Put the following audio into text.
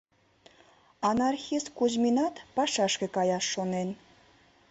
Анархист Кузьминат пашашке каяш шонен.